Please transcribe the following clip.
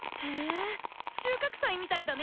収穫祭みたいだね。